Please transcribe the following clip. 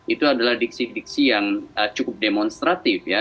itu adalah diksi diksi yang cukup demonstratif ya